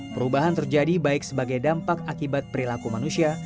perubahan terjadi baik sebagai dampak akibat perilaku manusia